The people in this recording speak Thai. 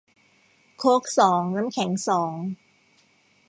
โค้กสอง น้ำแข็งสอง